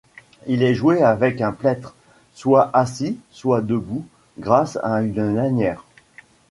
Il est joué avec un plectre, soit assis, soit debout, grâce à une lanière.